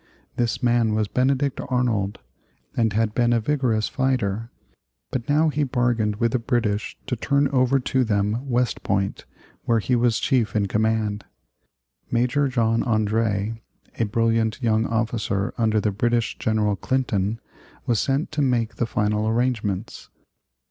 This man was Benedict Arnold, and had been a vigorous fighter. But now he bargained with the British to turn over to them West Point, where he was chief in command. Major John André, a brilliant young officer under the British General Clinton, was sent to make the final arrangements.